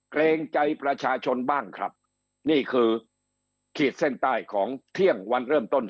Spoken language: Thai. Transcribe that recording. เกรงใจประชาชนบ้างครับนี่คือขีดเส้นใต้ของเที่ยงวันเริ่มต้น